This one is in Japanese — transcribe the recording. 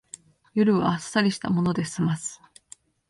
夜はあっさりしたもので済ます